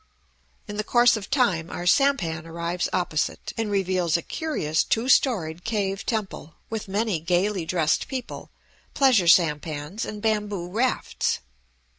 In the course of time our sampan arrives opposite and reveals a curious two storied cave temple, with many gayly dressed people, pleasure sampans, and bamboo rafts.